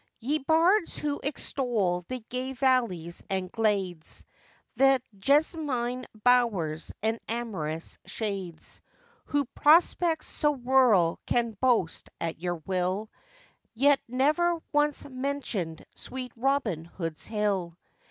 ] YE bards who extol the gay valleys and glades, The jessamine bowers, and amorous shades, Who prospects so rural can boast at your will, Yet never once mentioned sweet 'Robin Hood's Hill.